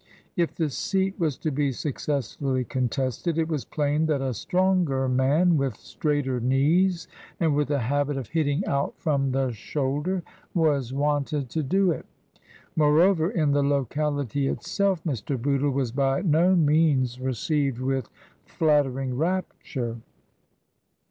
If the seat was to be successfully contested, it was plain that a stronger man with straighter knees and with a 18 2o6 TRANSITION. habit of hitting out from the shoulder was wanted to do it Moreover, in the locality itself Mr. Bootle was by no means received with flattering rapture.